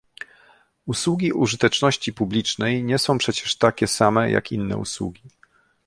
Usługi użyteczności publicznej nie są przecież takie same, jak inne usługi